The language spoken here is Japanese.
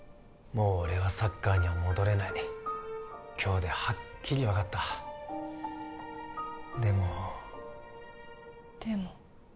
もう俺はサッカーには戻れない今日ではっきり分かったでもでも？